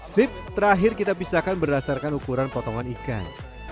sip terakhir kita pisahkan berdasarkan ukuran potongan ikan